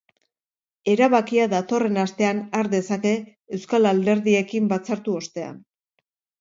Erabakia datorren astean har dezake euskal alderdiekin batzartu ostean.